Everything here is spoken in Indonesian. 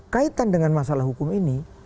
kaitan dengan masalah hukum ini